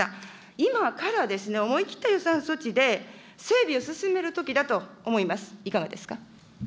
今から思い切った予算措置で、整備を進めるときだと思います。